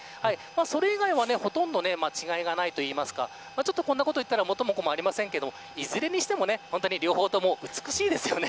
それ以外はほとんど違いがないというかこんなことを言ったら元も子もありませんがいずれにしても本当に両方とも美しいですよね。